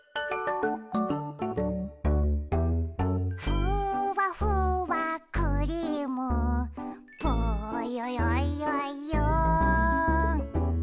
「ふわふわクリームぽよよよよん」